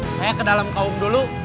saya ke dalam kaum dulu